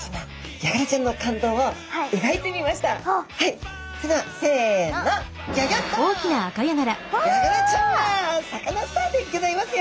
ヤガラちゃんはサカナスターでギョざいますよ。